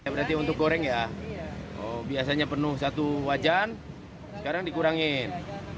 berarti untuk goreng ya biasanya penuh satu wajan sekarang dikurangin